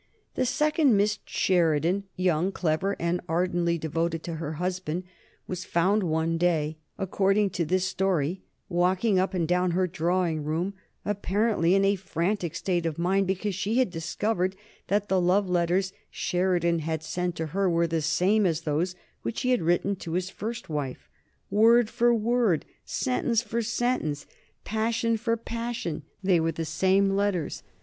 The second Mrs. Sheridan, young, clever, and ardently devoted to her husband, was found one day, according to this story, walking up and down her drawing room apparently in a frantic state of mind because she had discovered that the love letters Sheridan had sent to her were the same as those which he had written to his first wife. Word for word, sentence for sentence, passion for passion, they were the same letters.